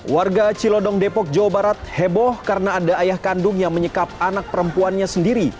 warga cilodong depok jawa barat heboh karena ada ayah kandung yang menyekap anak perempuannya sendiri